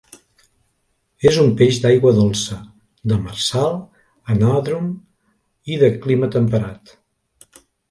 És un peix d'aigua dolça, demersal, anàdrom i de clima temperat.